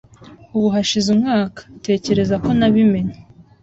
Ubu hashize umwaka, tekereza ko nabimenye